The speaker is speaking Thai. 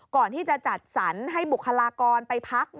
ก่อนที่จะจัดสรรให้บุคลากรไปพัก